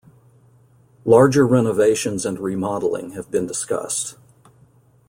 Larger renovations and remodeling have been discussed.